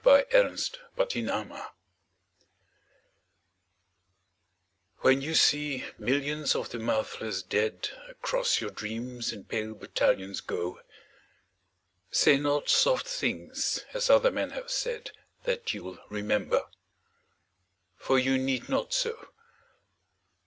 XCI The Army of Death WHEN you see millions of the mouthless dead Across your dreams in pale battalions go, Say not soft things as other men have said, That you'll remember. For you need not so.